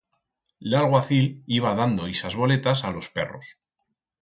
L'alguacil iba dando ixas boletas a los perros.